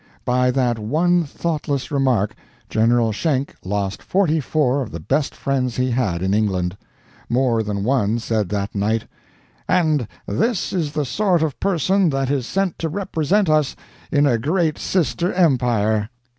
By that one thoughtless remark General Schenck lost forty four of the best friends he had in England. More than one said that night, "And this is the sort of person that is sent to represent us in a great sister empire!"